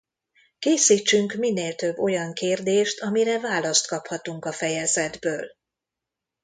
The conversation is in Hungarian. Készítsünk minél több olyan kérdést amire választ kaphatunk a fejezetből!